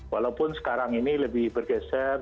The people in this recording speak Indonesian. walaupun sekarang ini lebih bergeser